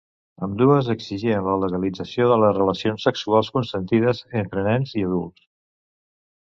Ambdues exigien la legalització de les relacions sexuals consentides entre nens i adults.